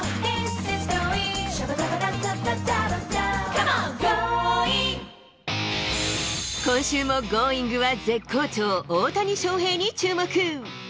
この後今週もＧｏｉｎｇ！は絶好調、大谷翔平に注目。